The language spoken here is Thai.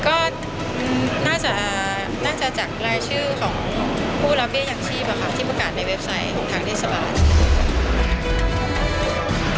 ก็น่าจะจากรายชื่อของผู้รับเบี้ยยังชีพที่ประกาศในเว็บไซต์ของทางเทศบาล